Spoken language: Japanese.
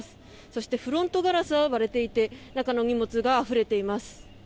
そしてフロントガラスは割れていて中の荷物があふれています。